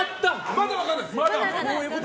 まだ分からないです。